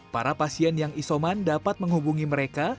para pasien yang isoman dapat menghubungi mereka